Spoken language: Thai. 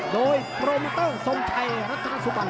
โดยโปรมิตัลสมชัยรัฐทราสุบัง